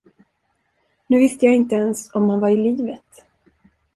Nu visste jag inte ens om han var i livet.